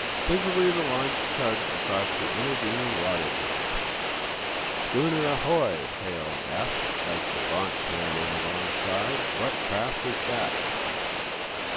Busily the launch chugged across the intervening water gap. "Schooner, ahoy!" hailed Eph, as the launch ran in alongside "What craft is that?"